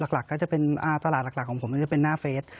หลักก็จะเป็นตลาดหลักของผมมันจะเป็นหน้าเฟส